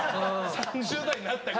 ３０代になった。